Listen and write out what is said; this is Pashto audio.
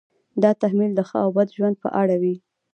دا تحمیل د ښه او بد ژوند په اړه وي.